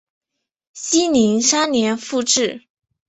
熙宁三年复置。